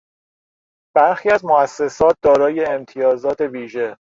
برخی از موسسات دارای امتیازات ویژه